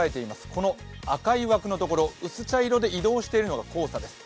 この赤い枠のところ薄茶色で移動しているのが黄砂です。